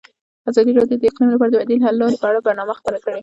ازادي راډیو د اقلیم لپاره د بدیل حل لارې په اړه برنامه خپاره کړې.